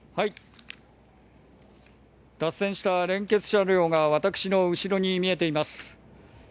脱線した連結車両が私の後ろに見えています。